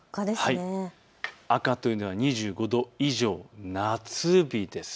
赤というのは２５度以上、夏日です。